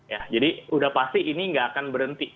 ya jadi udah pasti ini nggak akan berhenti